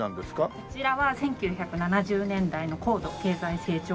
こちらは１９７０年代の高度経済成長期。